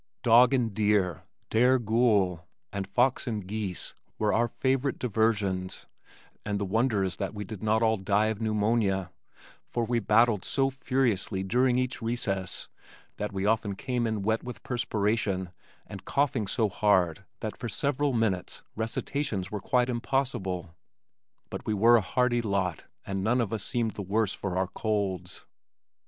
"Dog and Deer," "Dare Gool" and "Fox and Geese" were our favorite diversions, and the wonder is that we did not all die of pneumonia, for we battled so furiously during each recess that we often came in wet with perspiration and coughing so hard that for several minutes recitations were quite impossible. But we were a hardy lot and none of us seemed the worse for our colds.